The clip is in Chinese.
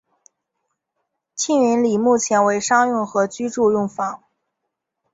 庆云里目前为商用和居住用房。